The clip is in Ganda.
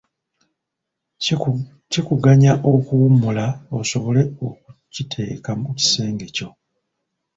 Kikuganya okuwummula osobola okukiteeka mu kisenge kyo.